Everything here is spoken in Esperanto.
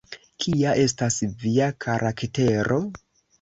Kia estas via karaktero?